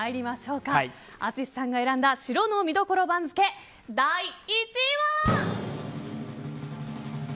淳さんが選んだ城の見どころ番付、第１位は。